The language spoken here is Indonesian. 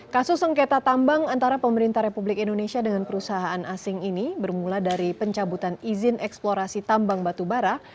kasus sengketa tambang antara pemerintah republik indonesia dengan perusahaan asing ini bermula dari pencabutan izin eksplorasi tambang batubara